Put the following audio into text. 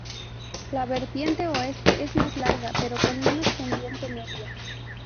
La vertiente oeste es más larga, pero con menos pendiente media.